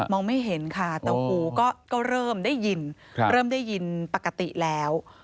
ไม่เห็นค่ะแต่หูก็เริ่มได้ยินเริ่มได้ยินปกติแล้ว